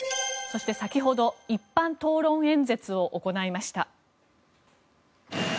そして先ほど一般討論演説を行いました。